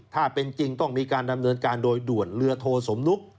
ถ้าเป็นจริงต้องมีการดำเนินการโดยด่วนเรือโทสมนุก